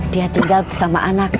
dia tinggal bersama anakku